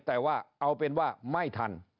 แต่ว่าเอาเป็นว่าไม่ทัน